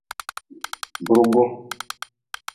Burgu.